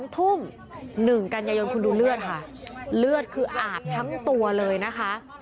๒ทุ่ม๑กันยายนคุณดูเลือดค่ะเลือดคืออาบทั้งตัวเลยนะคะ